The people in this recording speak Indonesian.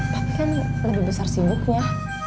tapi kan lebih besar sibuknya